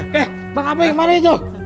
eh bang apa yang marah itu